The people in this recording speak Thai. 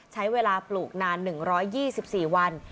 ใช้เวลาปลูกนาน๑๒๔วัน